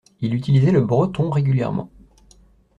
Il utilisait le breton régulièrement.